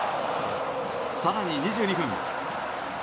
更に２２分。